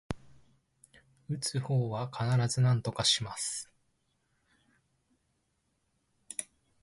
打つ方は必ずなんとかします